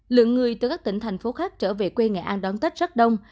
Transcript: lượng người từ các tỉnh thành phố khác trở về quê nghệ an đón tết rất đông